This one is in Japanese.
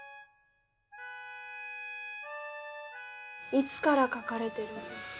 いつから描かれてるんですか？